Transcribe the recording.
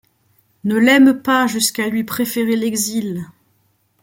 Ne l'aiment pas jusqu'à lui préférer l'exil !